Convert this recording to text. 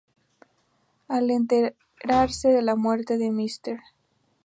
Al enterarse de la muerte de Mr.